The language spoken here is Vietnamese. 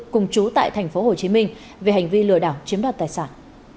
cùng chú tại tp hcm về hành vi lừa đảo chiếm đoạt tài sản